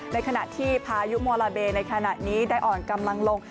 ในขณะที่พายุโมลาเบในขณะนี้ได้อ่อนกำลังลง